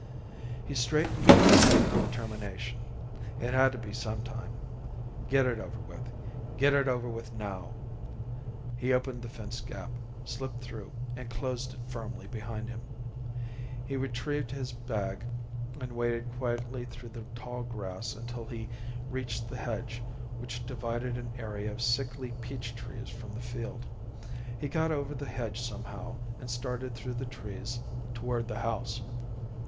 He straightened in sudden determination. It had to be sometime. Get it over with, get it over with now. He opened the fence gap, slipped through, and closed it firmly behind him. He retrieved his bag, and waded quietly through the tall grass until he reached the hedge which divided an area of sickly peach trees from the field. He got over the hedge somehow, and started through the trees toward the house.